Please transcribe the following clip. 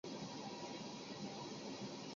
是国际法院成立以来首位华人院长。